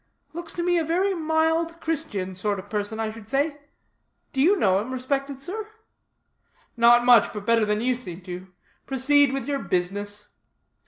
Looks like a very mild Christian sort of person, I should say. Do you know him, respected sir?" "Not much, but better than you seem to. Proceed with your business."